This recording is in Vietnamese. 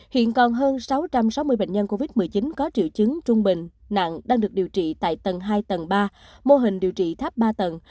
hiện còn hơn sáu trăm sáu mươi bệnh nhân covid một mươi chín có triệu chứng trung bình nặng đang được điều trị tại tầng hai tầng ba mô hình điều trị tháp ba tầng